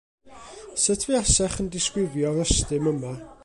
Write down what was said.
Sut fuasech yn disgrifio'r ystum yma?